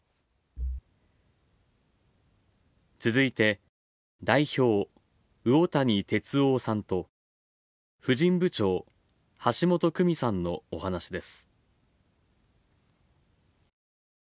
続いて、代表魚谷哲央さんと、婦人部長橋本久美さんのお話です。